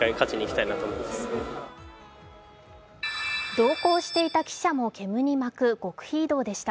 同行していた記者も煙に巻く極秘移動でした。